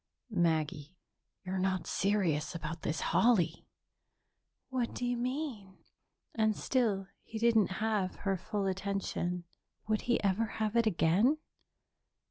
"Maggie, you're not serious about this holly?" "What do you mean?" And still he didn't have her full attention. Would he ever have it again?